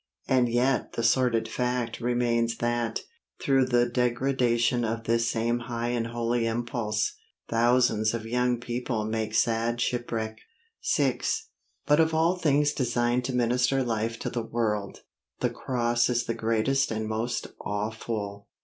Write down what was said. And yet the sordid fact remains that, through the degradation of this same high and holy impulse, thousands of young people make sad shipwreck. VI But of all things designed to minister life to the world, the Cross is the greatest and most awful.